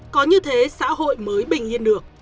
có như thế xã hội mới bình yên được